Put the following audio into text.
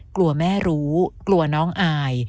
กลัวแม่รู้กลัวน้องอาย